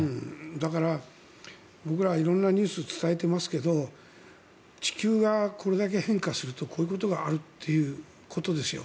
だから、僕ら色んなニュースを伝えてますけど地球がこれだけ変化するとこういうことがあるということですよ。